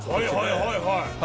はいはいはい！